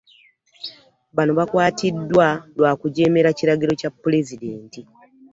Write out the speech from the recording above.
Bano bakwatiddwa lwa kujeemera kiragiro kya pulezidenti.